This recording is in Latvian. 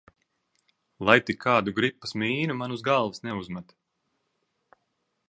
Lai tik kādu gripas mīnu man uz galvas neuzmet.